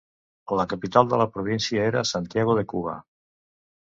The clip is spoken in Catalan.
La capital de la província era Santiago de Cuba.